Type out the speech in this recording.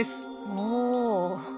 おお。